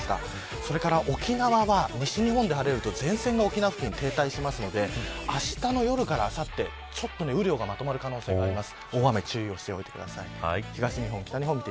それから沖縄は西日本で晴れると、前線が沖縄付近に停滞するので明日の夜からあさっては雨量が増える可能性があります。